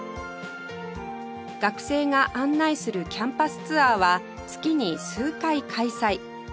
学生が案内するキャンパスツアーは月に数回開催